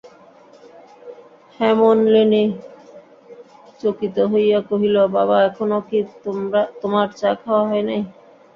হেমনলিনী চকিত হইয়া কহিল, বাবা, এখনো কি তোমার চা খাওয়া হয় নাই?